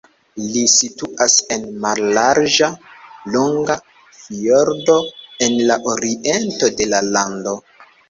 Ĝi situas en mallarĝa longa fjordo en la oriento de la lando.